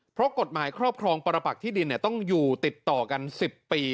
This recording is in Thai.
เพราะกฎหมายครอบครองปรปักที่ดินต้องอยู่ติดต่อกัน๑๐ปี